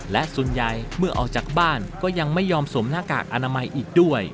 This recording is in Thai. และส่วนใหญ่เมื่อออกจากบ้านก็ยังไม่ยอมสวมหน้ากากอนามัยอีกด้วย